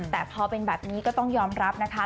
แต่พอเป็นแบบนี้ก็ต้องยอมรับนะคะ